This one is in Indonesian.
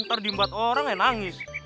ntar dibuat orang ya nangis